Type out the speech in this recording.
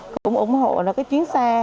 cũng ủng hộ cái chuyến xa